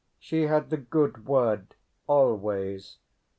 She had the good word always.